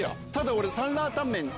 俺サンラータンメン